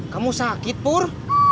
kamu sakit pur